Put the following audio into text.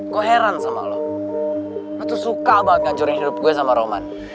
gue heran sama lo aku tuh suka banget ngancurin hidup gue sama roman